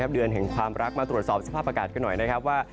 เดือนแห่งความรักมาตรวจสอบสภาพอากาศกันหน่อยนะครับว่า